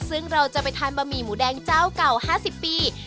ซึ่งเราจะไปทานบะหมี่หมูแดงเจ้าเก่า๕๐ปี